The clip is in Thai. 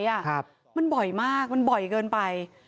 ครับมันบ่อยมากมันบ่อยเกินไป